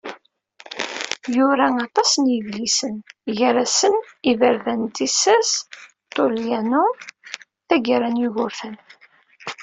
Yura ṭam n yidlisen, gar-asen "Iberdan n tissas, Tullianum, Taggara n Yugurten".